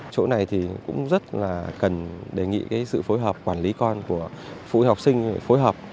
chỗ này thì cũng rất là cần đề nghị sự phối hợp quản lý con của phụ học sinh phối hợp